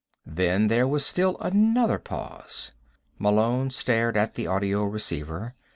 Then there was still another pause. Malone stared at the audio receiver.